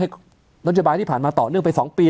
ให้รัฐบาลที่ผ่านมาต่อเนื่องไป๒ปี